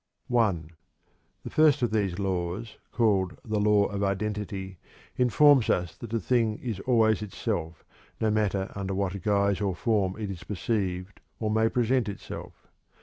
I. The first of these laws, called "The Law of Identity," informs us that a thing is always itself, no matter under what guise or form it is perceived or may present itself.